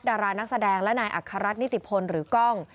ดารานักแสดงและนายอัครรัฐนิติพลหรือกล้อง